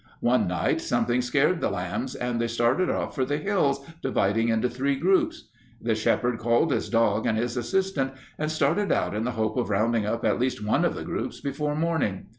One night something scared the lambs, and they started off for the hills, dividing into three groups. The shepherd called his dog and his assistant and started out in the hope of rounding up at least one of the groups before morning.